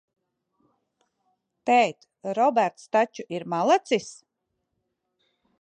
Tēt, Roberts taču ir malacis?